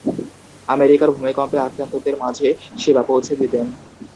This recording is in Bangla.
আমেরিকার ভূমিকম্পে আক্রান্তদের মাঝে সেবা পৌঁছে দিতেন।